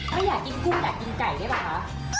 ไม่อยากกินกุ้งอยากกินไก่ได้ป่ะคะ